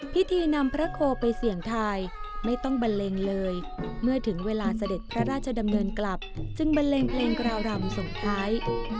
พิธีนำพระโคไปเสี่ยงทายไม่ต้องบันเลงเลยเมื่อถึงเวลาเสด็จพระราชดำเนินกลับจึงบันเลงเพลงกราวรำส่งท้าย